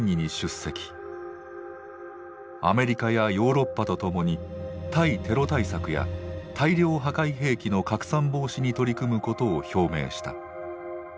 アメリカやヨーロッパと共に「対テロ対策」や「大量破壊兵器の拡散防止」に取り組むことを表明した。